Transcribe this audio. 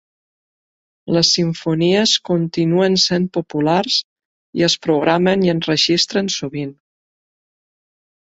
Les simfonies continuen sent populars i es programen i enregistren sovint.